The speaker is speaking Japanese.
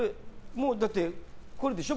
もうだってこれでしょ。